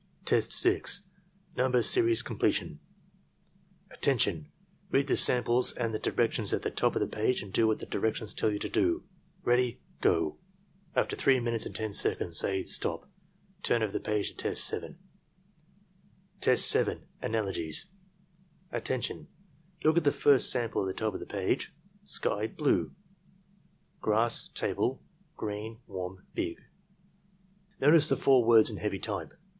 Test 6. — Number Series Completion "Attention! Read the samples and the directions at the top of the page and do what the directions tell you to do. — ^Ready — Go!" After 3 minutes and 10 seconds, say " STOP! Turn over the page to test 7." Test 7.— Analogies "Attention! Look at the first sample at the top of the page: Sky — blue :: grass — table, green, warm, big. "Notice the four words in heavy type.